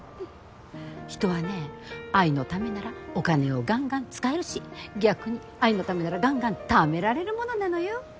人はね愛のためならお金をがんがん使えるし逆に愛のためならがんがんためられるものなのよ。